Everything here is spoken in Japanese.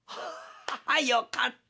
「よかった。